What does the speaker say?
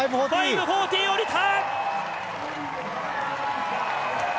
５４０降りた！